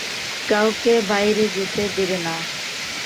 কাউকে বাইরে যেতে দেবে না।